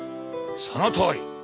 そのとおり。